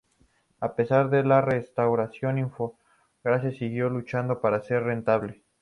A pesar de la reestructuración, Infogrames siguió luchando para ser rentable.